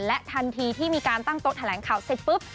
และทันทีที่มีการตั้งโต๊ะแถลงข่าวเสร็จปุ๊บ